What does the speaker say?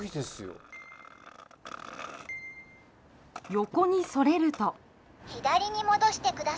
横にそれると。